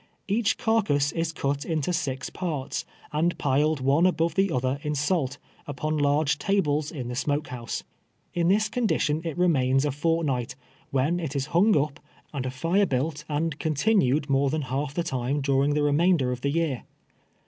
Each carcass is cut into six jiarts, and piled one above the other in salt, upon large tables in the smoke house. Li this condition it remains a fortnight, when it is hung up. and a fire built, and continued more than half the time during the remainder of the year.